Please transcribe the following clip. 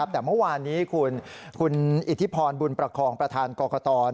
แต่เมื่อวานนี้คุณอิทธิพรบุญประคองประธานกรกต